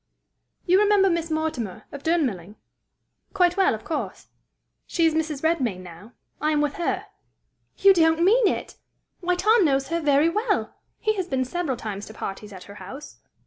"You remember Miss Mortimer, of Durnmelling?" "Quite well, of course." "She is Mrs. Redmain now: I am with her." "You don't mean it! Why, Tom knows her very well! He has been several times to parties at her house."